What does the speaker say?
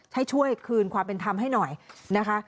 ให้ช่วยคืนความเป็นธรรมให้หน่อยนะคะ